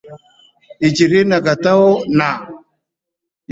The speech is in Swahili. ishirini na tatau na